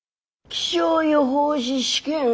気象予報士試験？